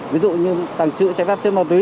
ví dụ như tăng chữ cháy pháp trên mô tí